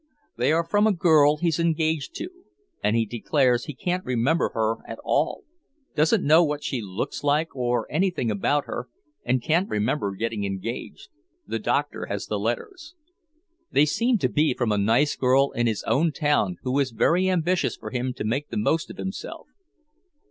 They are from a girl he's engaged to, and he declares he can't remember her at all; doesn't know what she looks like or anything about her, and can't remember getting engaged. The doctor has the letters. They seem to be from a nice girl in his own town who is very ambitious for him to make the most of himself.